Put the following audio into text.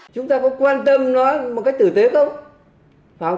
chúng ta có quan tâm nói một cách tử tế không